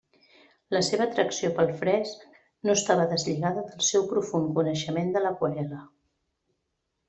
La seva atracció pel fresc no estava deslligada del seu profund coneixement de l'aquarel·la.